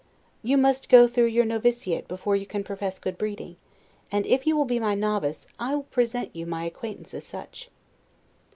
You must go through your noviciate before you can profess good breeding: and, if you will be my novice, I will present you my acquaintance as such."